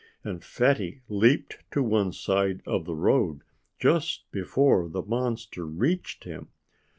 And Fatty leaped to one side of the road just before the monster reached him.